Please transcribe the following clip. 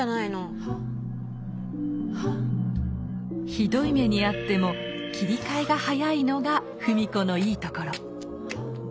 ひどい目に遭っても切り替えが早いのが芙美子のいいところ。